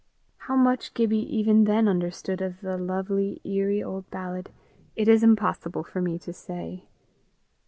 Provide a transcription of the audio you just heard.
How much Gibbie even then understood of the lovely eerie old ballad, it is impossible for me to say.